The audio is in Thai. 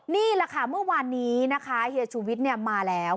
นี่แหละค่ะเมื่อวานนี้นะคะเฮียชูวิทย์มาแล้ว